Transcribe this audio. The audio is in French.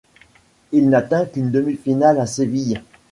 Il n'atteint qu'une demi-finale à Séville.